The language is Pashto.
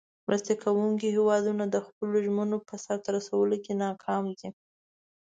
مرسته کوونکې هیوادونه د خپلو ژمنو په سر ته رسولو کې ناکام دي.